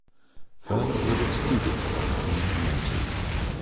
Fans were excluded from attending matches.